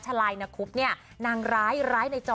ฉาลัยนาครูพนางร้ายร้ายในจอ